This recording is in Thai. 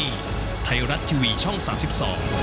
ติดตามชมและเชียร์นักฟุตบอลทีมชาติไทยชุดใหญ่ได้ทุกแมชที่นี่